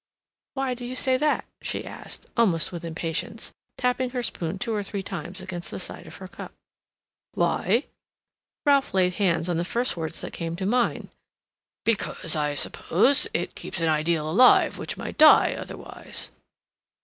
"Why do you say that?" she asked, almost with impatience, tapping her spoon two or three times against the side of her cup. "Why?" Ralph laid hands on the first words that came to mind. "Because, I suppose, it keeps an ideal alive which might die otherwise."